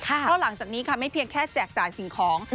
เพราะหลังจากนี้ค่ะไม่เพียงแค่แจกจ่ายสิ่งของ